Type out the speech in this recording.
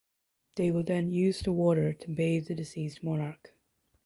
They will then use the water to bathe the deceased monarch.